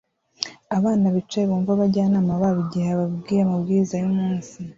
Abana bicaye bumve abajyanama babo igihe ababwiye amabwiriza yumunsi